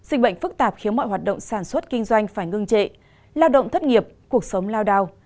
dịch bệnh phức tạp khiến mọi hoạt động sản xuất kinh doanh phải ngưng trệ lao động thất nghiệp cuộc sống lao đao